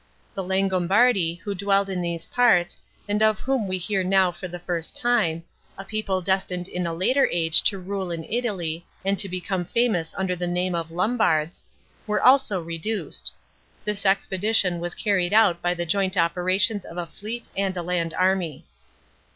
The Langobardi, who dwelled in these parts, and of whom we hear now for the first time. — a people destined in a later age to rule in Italy arid become famous under the name of " Lombards "— were also reduced. This expedition was carried out by the joint operations of a fleet and a land army.